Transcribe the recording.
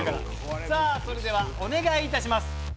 さあそれではお願いいたします。